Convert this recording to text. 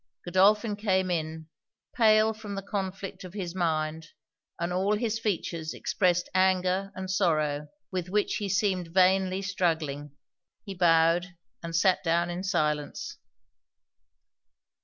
Godolphin came in, pale from the conflict of his mind; and all his features expressed anger and sorrow, with which he seemed vainly struggling. He bowed, and sat down in silence.